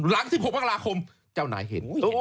หลัง๑๖มกราคมเจ้านายเห็น